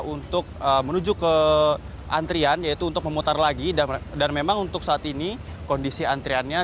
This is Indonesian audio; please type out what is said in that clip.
untuk menuju ke antrian yaitu untuk memutar lagi dan memang untuk saat ini kondisi antriannya